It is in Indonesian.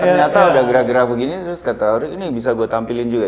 ternyata udah gerah gerah begini terus kata auri ini bisa gue tampilin juga